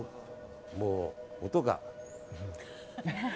もう、音が。